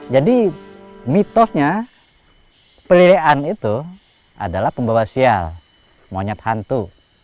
mitosnya pelilean itu adalah pembawa sial monyet hantu